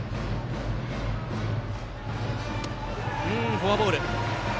フォアボール。